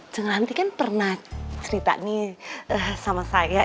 jeng ranti kan pernah cerita nih sama saya